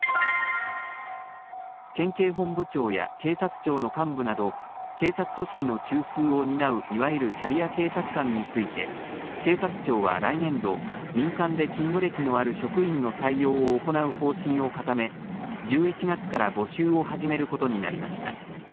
県警本部長や警察庁の幹部など警察組織の中枢を担ういわゆるキャリア警察官について警察庁は来年度、民間で勤務歴のある職員の採用を行う方針を固め、１１月から募集を始めることになりました。